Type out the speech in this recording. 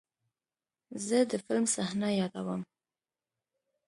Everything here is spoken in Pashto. زه د فلم صحنه یادوم.